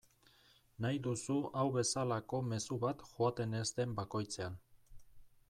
Nahi duzu hau bezalako mezu bat joaten ez den bakoitzean.